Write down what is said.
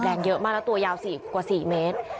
เยอะมากแล้วตัวยาวกว่า๔เมตร